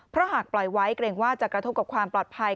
เพราะหากปล่อยไว้เกรงว่าจะกระทบกับความปลอดภัย